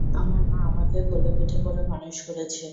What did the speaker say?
আমার মা আমাকে কোলেপিঠে করে মানুষ করেছে।